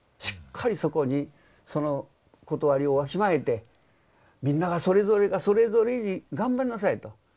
しっかりそこにそのことわりをわきまえてみんながそれぞれがそれぞれに頑張りなさいと。